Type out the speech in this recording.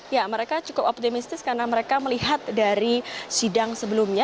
ya mereka cukup optimistis karena mereka melihat dari sidang sebelumnya